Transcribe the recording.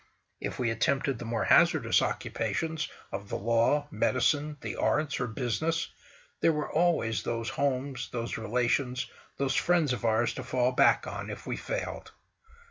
If we attempted the more hazardous occupations of the law, medicine, the arts, or business, there were always those homes, those relations, those friends of ours to fall back on, if we failed.